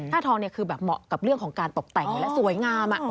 ท่าทองเนี่ยคือเหมาะกับเรื่องของการตกแต่งแล้วสวยงามอะ